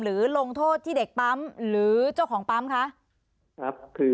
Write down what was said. ลงโทษที่เด็กปั๊มหรือเจ้าของปั๊มคะ